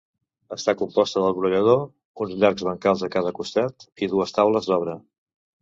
Està composta del brollador, uns llargs bancals a cada costat i dues taules d'obra.